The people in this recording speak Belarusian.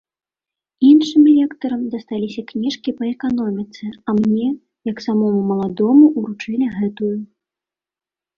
Іншым лектарам дасталіся кніжкі па эканоміцы, а мне, як самому маладому, уручылі гэтую.